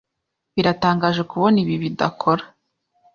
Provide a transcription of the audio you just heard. Biratangaje kubona ibi bidakora.